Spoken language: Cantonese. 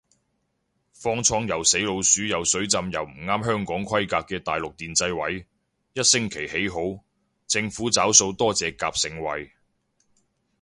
方艙又死老鼠又水浸又唔啱香港規格嘅大陸電掣位，一星期起好，政府找數多謝夾盛惠